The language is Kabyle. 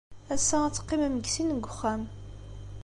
Ass-a, ad teqqimem deg sin deg uxxam.